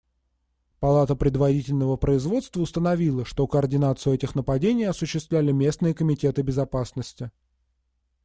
Палата предварительного производства установила, что координацию этих нападений осуществляли местные комитеты безопасности.